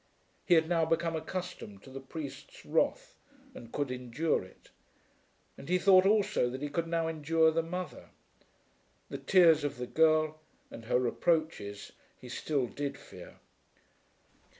He had now become accustomed to the priest's wrath and could endure it. And he thought also that he could now endure the mother. The tears of the girl and her reproaches he still did fear.